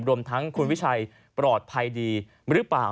รวมทั้งคุณวิชัยปลอดภัยดีหรือเปล่า